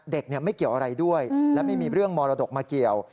ไม่เกี่ยวอะไรด้วยและไม่มีเรื่องมรดกมาเกี่ยว